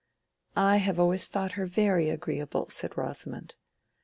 "I have always thought her very agreeable," said Rosamond.